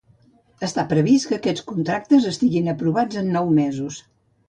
Està previst que aquests contractes estiguin aprovats en uns nou mesos.